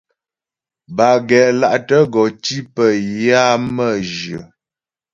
Bâ gɛ́la'tə gɔ tí pə yə á mə́jyə.